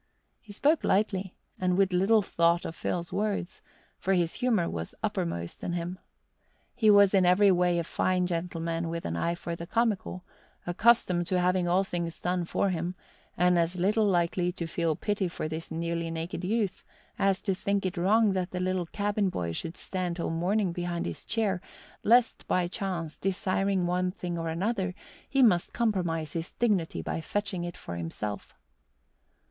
He spoke lightly and with little thought of Phil's words, for his humour was uppermost in him. He was in every way the fine gentleman with an eye for the comical, accustomed to having all things done for him and as little likely to feel pity for this nearly naked youth as to think it wrong that the little cabin boy should stand till morning behind his chair, lest by chance, desiring one thing or another, he must compromise his dignity by fetching it for himself.